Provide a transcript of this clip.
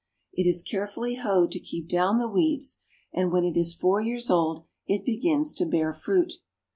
It is carefully hoed to keep down the weeds, and when it is four years old it begins to bear fruit.